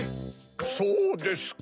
そうですか。